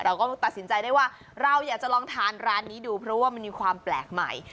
เราก็ตัดสินใจได้ว่าเราอยากจะลองทานร้านนี้ดูเพราะว่ามันมีความแปลกใหม่